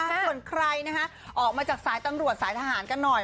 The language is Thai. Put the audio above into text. ส่วนใครนะคะออกมาจากสายตำรวจสายทหารกันหน่อย